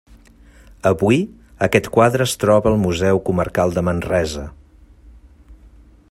Avui, aquest quadre es troba al Museu Comarcal de Manresa.